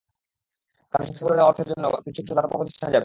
কারণ সংস্থাগুলোর দেয়া অর্থের কিছু অংশ দাতব্য প্রতিষ্ঠানে যাবে।